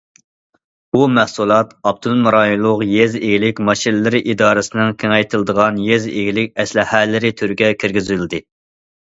بۇ مەھسۇلات ئاپتونوم رايونلۇق يېزا ئىگىلىك ماشىنىلىرى ئىدارىسىنىڭ كېڭەيتىلىدىغان يېزا ئىگىلىك ئەسلىھەلىرى تۈرىگە كىرگۈزۈلدى.